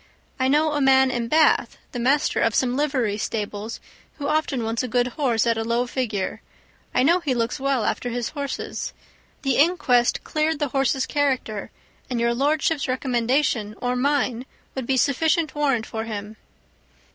I know a man in Bath, the master of some livery stables, who often wants a good horse at a low figure; I know he looks well after his horses. The inquest cleared the horse's character, and your lordship's recommendation, or mine, would be sufficient warrant for him."